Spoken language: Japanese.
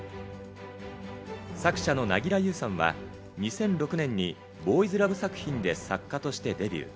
作者の凪良ゆうさんは、２００６年にボーイズラブ作品で作家としてデビュー。